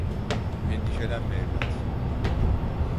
Endişelenme evlat.